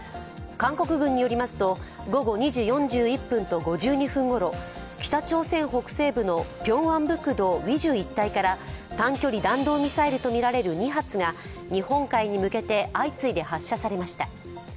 韓国軍によりますと午後２時４１分と５２分ごろ、北朝鮮北西部のピョンアンプクド・ウィジュ一帯から短距離弾道ミサイルとみられる２発が日本海に向けて相次いで発射されました。